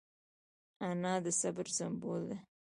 انا د صبر سمبول ده